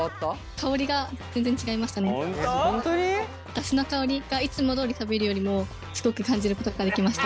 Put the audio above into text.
だしの香りがいつもどおり食べるよりもすごく感じることができました。